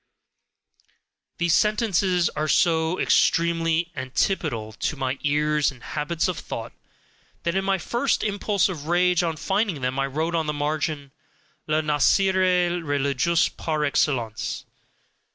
These sentences are so extremely ANTIPODAL to my ears and habits of thought, that in my first impulse of rage on finding them, I wrote on the margin, "LA NIAISERIE RELIGIEUSE PAR EXCELLENCE!"